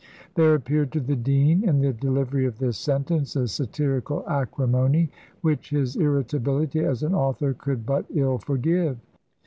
There appeared to the dean, in the delivery of this sentence, a satirical acrimony, which his irritability as an author could but ill forgive.